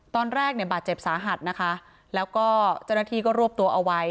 ตอนแรกเนี่ยบาดเจ็บสาหัสนะคะแล้วก็เจ้าหน้าที่ก็รวบตัวเอาไว้